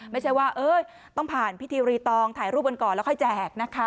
ไม่ใช่ว่าต้องผ่านพิธีรีตองถ่ายรูปกันก่อนแล้วค่อยแจกนะคะ